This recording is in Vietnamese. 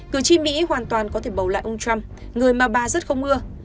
cử tri mỹ hoàn toàn có thể bầu lại ông trump người mà bà rất không mưa